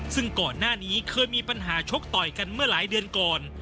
ซึ่งก่อนหน้านี้เคยมีปัญหาชกต่อยกันเมื่อหลายเดือนก่อน